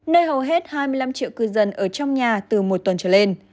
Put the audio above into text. nơi hầu hết hai mươi năm triệu cư dân ở trong nhà từ một tuần trở lên